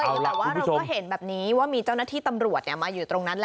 แต่ว่าเราก็เห็นแบบนี้ว่ามีเจ้าหน้าที่ตำรวจมาอยู่ตรงนั้นแหละ